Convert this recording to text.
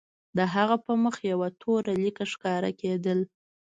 د هغه په مخ یوه توره لیکه ښکاره کېده